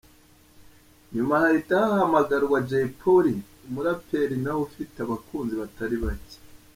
Nyuma hahita hahamagarwa Jay Polly umuraperi nawe ufite abakunzi batari bacye.